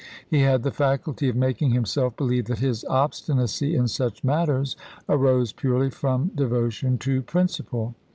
He had the faculty of making himself believe that his obstinacy in such matters arose purely from devotion to principle.